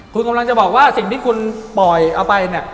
คุณกำลังจะบอกว่าสิ่งที่คุณปล่อยเอาไปเนี่ย